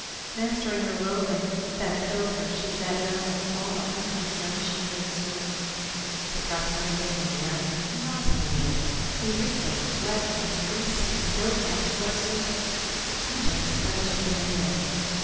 Mastering the loathing that filled her she sat down with all the unconcern she could assume. The proximity of the man nauseated her. He reeked of sweat and grease and ill kept horses, the pungent stench of the native.